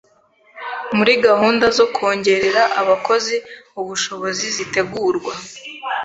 Muri gahunda zo kongerera abakozi ubushobozi zitegurwa